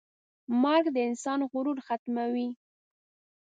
مرګ د انسان غرور ختموي.